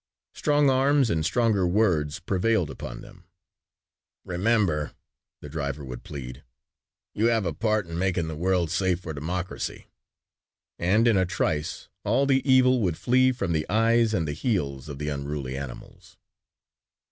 Strong arms and stronger words prevailed upon them. "Remember," the driver would plead, "you have a part in making the world safe for democracy," and in a trice all the evil would flee from the eyes and the heels of the unruly animals.